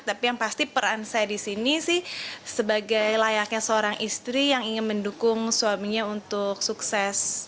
tapi yang pasti peran saya di sini sih sebagai layaknya seorang istri yang ingin mendukung suaminya untuk sukses